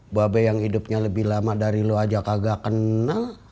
mbak be yang hidupnya lebih lama dari lo aja kagak kenal